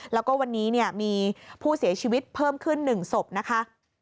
แล้วก็วันนี้มีผู้เสียชีวิตเพิ่มขึ้น๑ศพนะคะ